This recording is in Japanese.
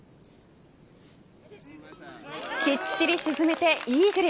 きっちり沈めてイーグル。